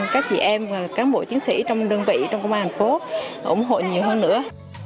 các chị em và cán bộ chiến sĩ trong đơn vị trong công an thành phố ủng hộ nhiều hơn nữa